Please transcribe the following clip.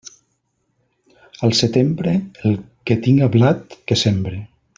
Al setembre, el que tinga blat, que sembre.